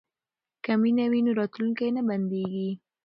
که مینه وي نو راتلونکی نه بندیږي.